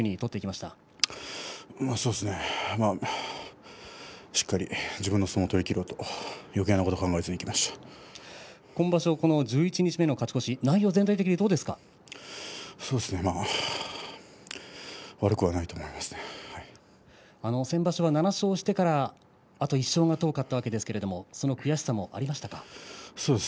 しっかり自分の相撲を取り切ろうとよけいなことを考えずに今場所十一日目の勝ち越し悪くはないと先場所は７勝してからあと１勝が遠かったわけですがその悔しさもありましたか？